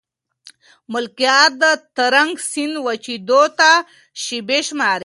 ملکیار د ترنک سیند وچېدو ته شېبې شماري.